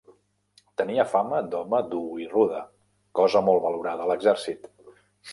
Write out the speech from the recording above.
Tenia fama d'home dur i rude, cosa molt valorada a l'exèrcit.